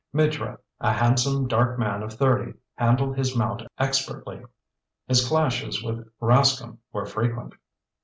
Mitra, a handsome, dark man of thirty, handled his mount expertly. His clashes with Rascomb were frequent.